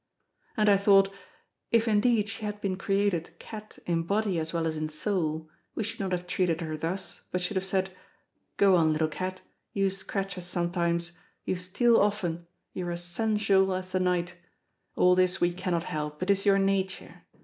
And I thought: If indeed she had been created cat in body as well as in soul, we should not have treated her thus, but should have said: 'Go on, little cat, you scratch us sometimes, you steal often, you are as sensual as the night. All this we cannot help. It is your nature.